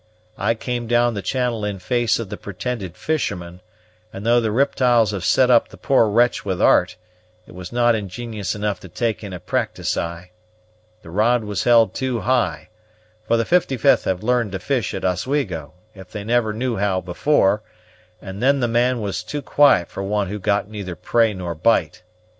I came down the channel in face of the pretended fisherman; and, though the riptyles have set up the poor wretch with art, it was not ingenious enough to take in a practysed eye. The rod was held too high, for the 55th have learned to fish at Oswego, if they never knew how before; and then the man was too quiet for one who got neither prey nor bite.